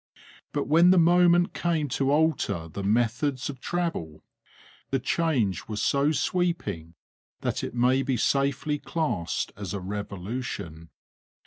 But when the moment came to alter the methods of travel, the change was so sweeping that it may be safely classed as a revolution.